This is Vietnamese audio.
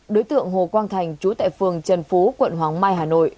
đối tượng hồ quang thành chú tại phường trần phú quận hoàng mai hà nội